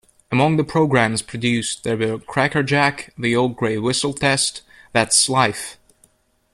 Among the programmes produced there were "Crackerjack", "The Old Grey Whistle Test", "That's Life!